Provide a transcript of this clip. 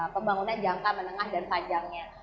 pembangunan jangka menengah dan panjangnya